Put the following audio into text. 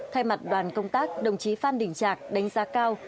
thay mặt đoàn công tác đồng chí phan đình trạc đánh giá cao